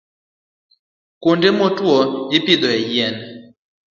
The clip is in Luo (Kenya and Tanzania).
Kuonde motwo ipidhoe yien.